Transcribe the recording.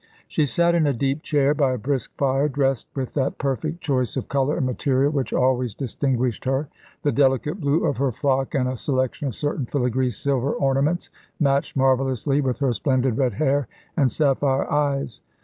She sat in a deep chair by a brisk fire, dressed with that perfect choice of colour and material which always distinguished her. The delicate blue of her frock, and a selection of certain filigree silver ornaments, matched marvellously with her splendid red hair and sapphire eyes.